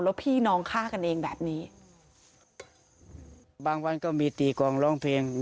แล้วพี่น้องฆ่ากันเองแบบนี้บางวันก็มีตีกองร้องเพลง